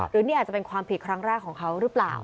หรือนี่อาจจะเป็นความผิดครั้งแรกของเขาหรือเปล่า